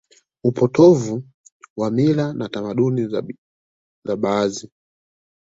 upotovu wa mila na tamaduni za baadhi